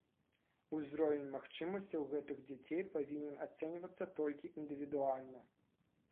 Узровень магчымасцяў гэтых дзяцей павінен ацэньвацца толькі індывідуальна.